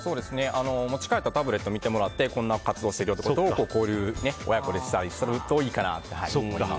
持ち帰ったタブレット見てもらってこんな活動してるよって交流、親子でしたりするといいかなと思います。